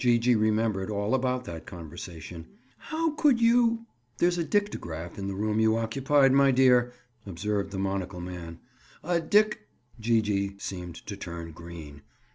Gee gee remembered all about that conversation. "How could you—" "There's a dictograph in the room you occupied, my dear," observed the monocle man. "A dic—" Gee gee seemed to turn green.